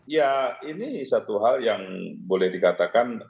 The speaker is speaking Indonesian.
ya ini satu hal yang boleh dikatakan